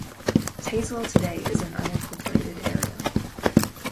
Tazewell today is an unincorporated area.